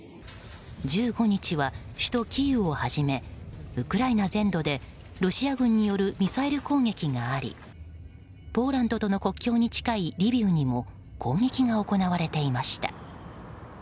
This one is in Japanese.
１５日は、首都キーウをはじめウクライナ全土でロシア軍によるミサイル攻撃がありポーランドとの国境に近いリビウにも攻撃が行われていました。